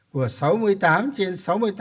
của sáu mươi tám trên sáu mươi tám